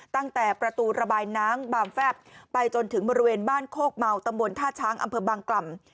ตั้งแต่ประตูระบายน้ำบางแฟบไปจนถึงบริเวณบ้านโคกเมาตำบลท่าช้างอำเภอบางกล่ำ